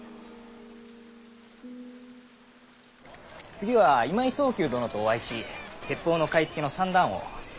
次は今井宗久殿とお会いし鉄砲の買い付けの算段を。